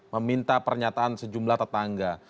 meminta pernyataan sejumlah tetangga